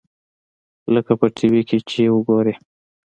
لکه په ټي وي کښې چې يې وګورې.